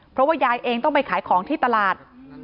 เพราะว่ายายเองต้องไปขายของที่ตลาด